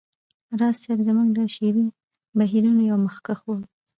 راز صيب زموږ د شعري بهیرونو یو مخکښ و